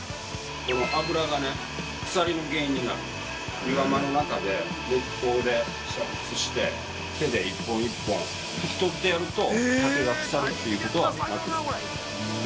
油がね、腐れの原因になる湯釜の中で、熱湯で煮沸して手で１本１本拭き取ってやると竹が腐るということはなくなる。